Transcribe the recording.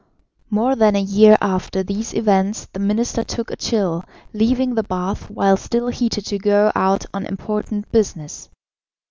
More than a year after these events the minister took a chill, leaving the bath while still heated to go out on important business.